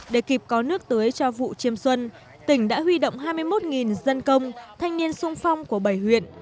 để kịp có nước tưới cho vụ chiêm xuân tỉnh đã huy động hai mươi một dân công thanh niên sung phong của bảy huyện